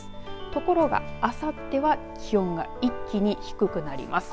ところがあさっては気温が一気に低くなります。